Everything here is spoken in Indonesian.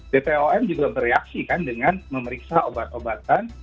bpom juga bereaksi kan dengan memeriksa obat obatan